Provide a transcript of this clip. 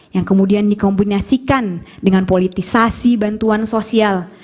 yang kemudian dikombinasikan dengan politisasi bantuan sosial